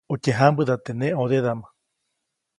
Utye jãmbäda teʼ neʼ ʼõdedaʼm.